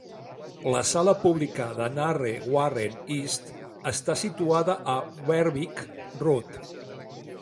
La sala pública de Narre Warren East està situada a Berwick Road.